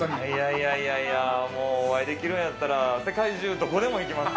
いやいやいや、もうお会いできるんやったら世界中、どこでも行きます。